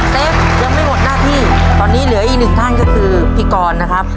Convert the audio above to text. เฟฟยังไม่หมดหน้าที่ตอนนี้เหลืออีกหนึ่งท่านก็คือพี่กรนะครับ